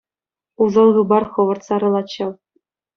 Усал хыпар хӑвӑрт сарӑлать ҫав.